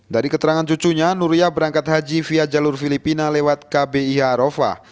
dari keterangan cucunya nuria berangkat haji via jalur filipina lewat kbih arofah